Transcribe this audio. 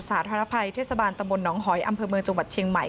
สาธารณภัยเทศบาลตำบลหนองหอยอำเภอเมืองจังหวัดเชียงใหม่